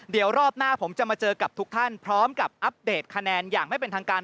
เดี๋ยวรอบหน้าผมจะมาเจอกับทุกท่านพร้อมกับอัปเดตคะแนนอย่างไม่เป็นทางการ